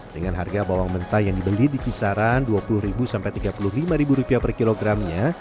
dengan harga bawang mentah yang dibeli di kisaran rp dua puluh rp tiga puluh lima per kilogramnya